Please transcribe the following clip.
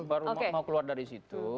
baru mau keluar dari situ